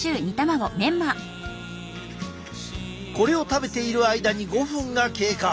これを食べている間に５分が経過。